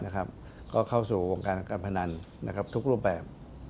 ก็เข้าสู่วงการการพนันทุกรูปแบบ